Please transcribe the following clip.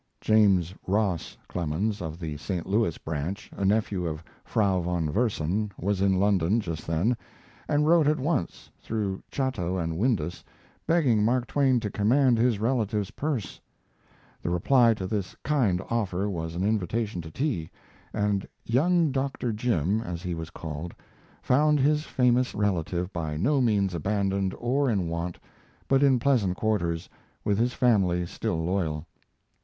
James Ross Clemens, of the St. Louis branch, a nephew of Frau von Versen, was in London just then, and wrote at once, through Chatto & Windus, begging Mark Twain to command his relative's purse. The reply to this kind offer was an invitation to tea, and "Young Doctor Jim," as he was called, found his famous relative by no means abandoned or in want, but in pleasant quarters, with his family still loyal.